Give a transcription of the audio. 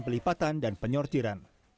pelipatan dan penyortiran